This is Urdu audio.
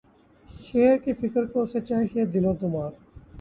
شعر کی فکر کو اسدؔ! چاہیے ہے دل و دماغ